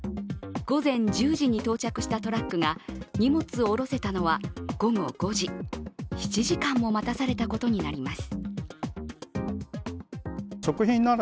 午前１０時に到着したトラックが荷物を下ろせたのは午後５時、７時間も待たされたことになります